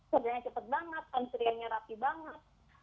kerjanya cepet banget pensilnya rapi banget